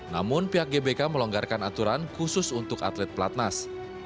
namun pihak gbk melonggarkan aturan khusus untuk atlet pelatnas